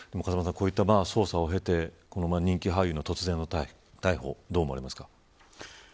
こういった捜査を経て人気俳優の突然の逮捕をどう思われますか。